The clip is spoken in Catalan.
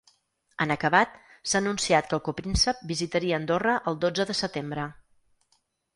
En acabat, s’ha anunciat que el copríncep visitaria Andorra el dotze de setembre.